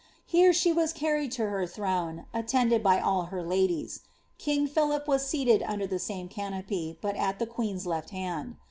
Here she was carried to her throne, attended by all her ladies.' King Philip was seated under the •ane canopy, but at the queen's left hand.